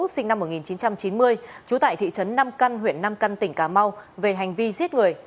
sinh năm một nghìn chín trăm chín mươi trú tại thị trấn nam căn huyện nam căn tỉnh cà mau về hành vi giết người